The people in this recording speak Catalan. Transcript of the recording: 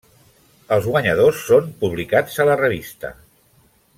Els guanyadors són publicats a la revista.